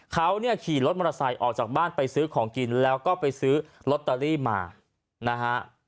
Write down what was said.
เขาเนี่ยขี่รถมอเตอร์ไซค์ออกจากบ้านไปซื้อของกินแล้วก็ไปซื้อลอตเตอรี่มานะฮะ